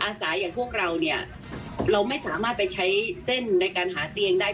สาอย่างพวกเราเนี่ยเราไม่สามารถไปใช้เส้นในการหาเตียงได้